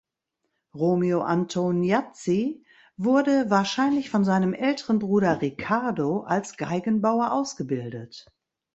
Romeo Antoniazzi wurde wahrscheinlich von seinem älteren Bruder Riccardo als Geigenbauer ausgebildet.